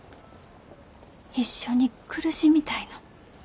一緒に苦しみたいの。